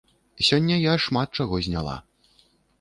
Сёння я шмат чаго зняла.